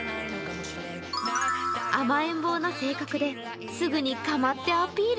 甘えん坊な性格で、すぐに構ってアピール。